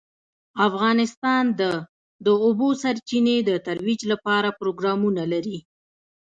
افغانستان د د اوبو سرچینې د ترویج لپاره پروګرامونه لري.